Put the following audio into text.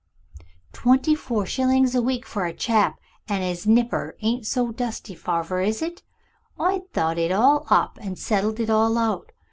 Twenty four shillings a week for a chap an' 'is nipper ain't so dusty, farver, is it? I've thought it all up and settled it all out.